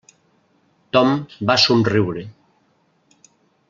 Tom va somriure.